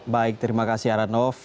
baik terima kasih arhanov